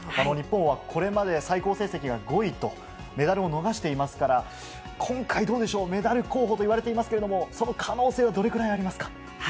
日本はこれまで最高成績が５位と、メダルを逃していますから、今回どうでしょう、メダル候補といわれていますけれども、その可能性はどれくらいありますか？